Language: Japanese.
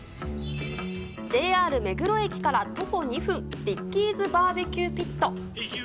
ＪＲ目黒駅から徒歩２分、ディッキーズバーベキューピット。